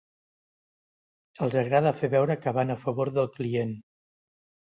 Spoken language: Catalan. Els agrada fer veure que van a favor del client.